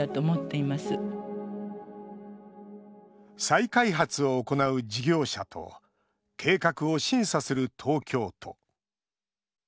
再開発を行う事業者と計画を審査する東京都。